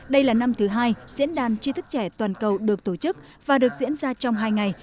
đây là năm thứ hai diễn đàn tri thức trẻ toàn cầu được tổ chức và được diễn ra trong hai ngày